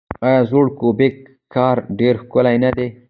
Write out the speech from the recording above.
آیا زوړ کیوبیک ښار ډیر ښکلی نه دی؟